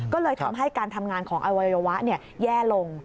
ก็เลยทำให้การทำงานของอวัยวะแย่ลง